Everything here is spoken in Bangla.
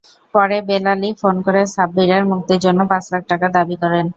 পরে বেলালই ফোন করে সাব্বিরের মুক্তির জন্য পাঁচ লাখ টাকা দাবি করেন।